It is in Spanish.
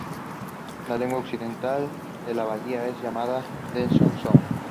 La lengua occidental de la bahía es llamada Denham Sound.